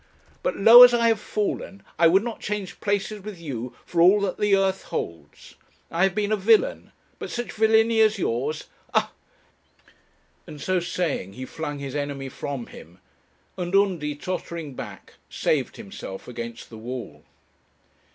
But, low as I have fallen, I would not change places with you for all that the earth holds. I have been a villain; but such villany as yours ugh ' and so saying, he flung his enemy from him, and Undy, tottering back, saved himself against the wall.